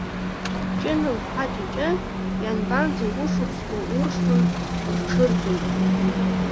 Ҷына-лԥа Ҷыҷын, ианбанӡа, ушықәсқәа уршлан рҽырӡоит?!